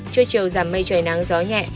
trôi trều giảm mây trời nắng gió nhẹ